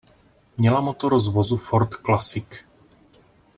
Měla motor z vozu Ford Classic.